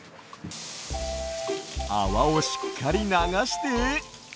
あわをしっかりながして。